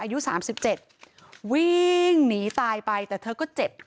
อายุสามสิบเจ็ดวิ่งหนีตายไปแต่เธอก็เจ็บ